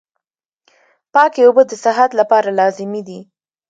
پاکي اوبه د صحت لپاره لازمي دي.